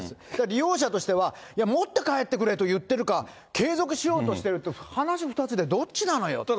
利用者としては、いや、持って帰ってくれと言ってるか、継続しようとしてるのか、話２つで、どっちなのよと。